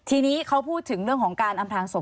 ทีนี้เขาพูดถึงเรื่องของการอำพลางศพ